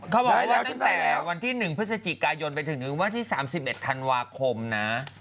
ขอให้แล้วตั้งแต่วันที่๑พฤศจิกายนไปถึงวันที่๓๑ธันวาคมนะ